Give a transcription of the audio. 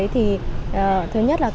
thì thứ nhất là